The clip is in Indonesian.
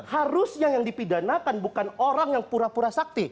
harusnya yang dipidanakan bukan orang yang pura pura sakti